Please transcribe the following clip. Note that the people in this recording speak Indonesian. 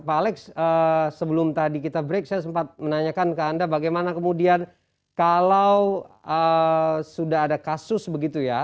pak alex sebelum tadi kita break saya sempat menanyakan ke anda bagaimana kemudian kalau sudah ada kasus begitu ya